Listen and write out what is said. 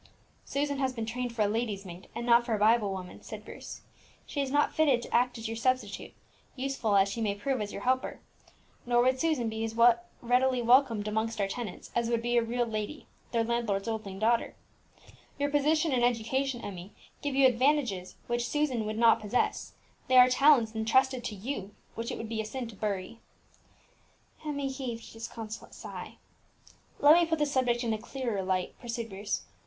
"Susan has been trained for a lady's maid, and not for a Bible woman," said Bruce; "she is not fitted to act as your substitute, useful as she may prove as your helper. Nor would Susan be as readily welcomed amongst our tenants as would be a real lady, their landlord's only daughter. Your position and education, Emmie, give you advantages which Susan would not possess; they are talents intrusted to you, which it would be a sin to bury." Emmie heaved a disconsolate sigh. "Let me put the subject in a clearer light," pursued Bruce.